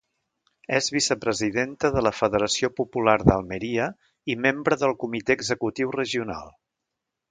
És vicepresidenta de la federació popular d'Almeria i membre del comitè executiu regional.